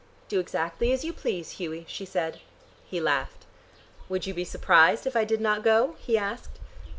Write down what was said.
"Do exactly as you please, Hughie," she said. He laughed. "Would you be surprised if I did not go?" he asked.